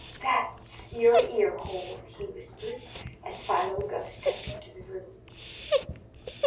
"That's your ear hole," he whispered, and Philo Gubb stepped into the room.